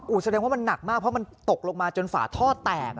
แสดงว่ามันหนักมากเพราะมันตกลงมาจนฝาท่อแตก